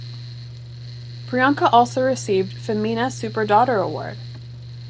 Priyanka also received "Femina Super Daughter Award".